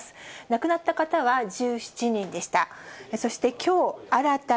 亡くなった方は１７人でした。